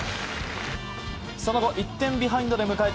その後１点ビハインドで迎えた